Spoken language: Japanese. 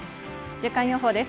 週間予報です。